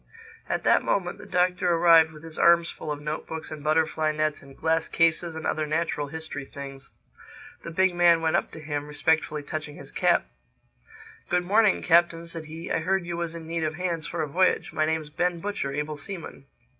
At that moment the Doctor arrived with his arms full of note books and butterfly nets and glass cases and other natural history things. The big man went up to him, respectfully touching his cap. "Good morning, Captain," said he. "I heard you was in need of hands for a voyage. My name's Ben Butcher, able seaman."